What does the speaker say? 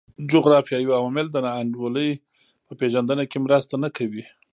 جغرافیوي عوامل د نا انډولۍ په پېژندنه کې مرسته نه کوي.